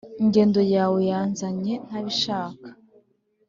Ingendo yawe yanzanye ntabishaka